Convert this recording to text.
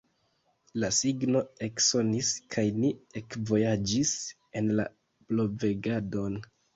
La signo eksonis, kaj ni ekvojaĝis en la blovegadon.